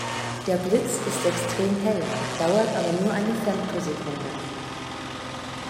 Der Blitz ist extrem hell, dauert aber nur eine Femtosekunde.